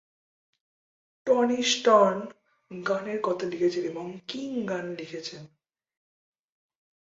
Tony Stern গানের কথা লিখেছেন এবং কিং গান লিখেছেন।